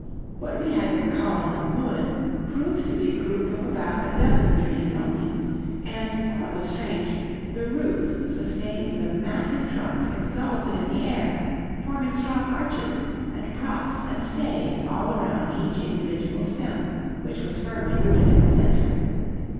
What we had been calling a wood proved to be a group of about a dozen trees only, and, what was strange, the roots sustained the massive trunks exalted in the air, forming strong arches, and props and stays all around each individual stem, which was firmly rooted in the center.